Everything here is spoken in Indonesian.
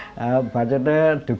saya tahu mereka berdua